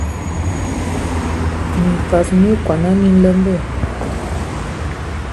Mimfas mi okɔn a biləmbə.